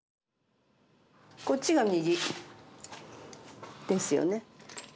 こっちが右。ですよね？